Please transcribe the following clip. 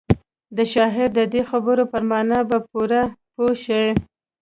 د شاعر د دې خبرو پر مانا به پوره پوه شئ.